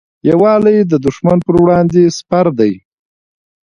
یووالی د دښمن پر وړاندې سپر دی.